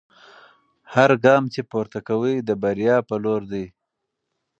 هر ګام چې پورته کوئ د بریا په لور دی.